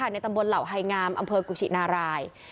ในตำบลรเหล่าไหงามอ่กุชินาราย